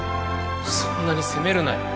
そんなに責めるなよ